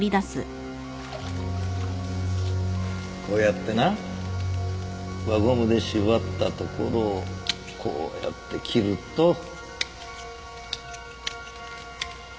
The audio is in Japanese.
こうやってな輪ゴムで縛ったところをこうやって切ると。